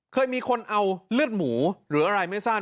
เคยมีคนเอาเลือดหมูหรืออะไรไม่ทราบ